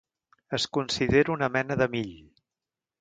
Es considera una mena de mill.